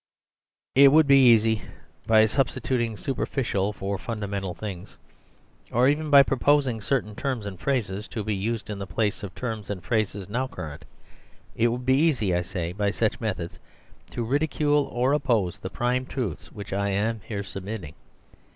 It would be easy by substituting superficial for fundamental things, or even by proposing certain terms and phrases to be used in the place of terms and phrases now current it would be easy, I say, by such methods to ridicule or to oppose theprimetruths which I am here submitting.